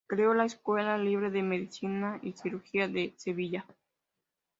Creó la Escuela Libre de Medicina y Cirugía de Sevilla.